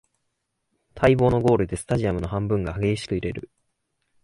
待望のゴールでスタジアムの半分が激しく揺れる